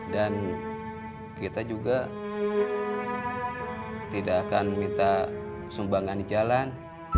dan kita juga tidak akan minta sumbangan di jalan